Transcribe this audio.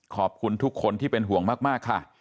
ขอบคุณทุกคนที่เป็นห่วงมากค่ะ